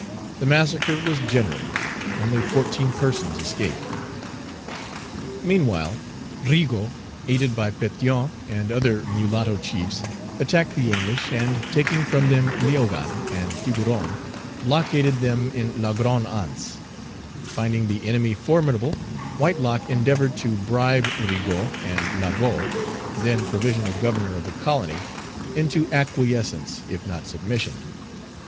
The massacre was general; only fourteen persons escaped. Meanwhile Rigaud, aided by Pétion and other mulatto chiefs, attacked the English, and, taking from them Léogane and Tiburon, blockaded them in La Grande Anse. Finding the enemy formidable, Whitelocke endeavored to bribe Rigaud and Laveaux, then provisional governor of the colony, into acquiescence, if not submission.